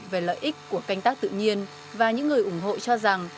về lợi ích của canh tác tự nhiên và những người ủng hộ cho rằng